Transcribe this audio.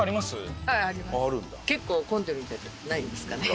結構混んでるんじゃないですかね。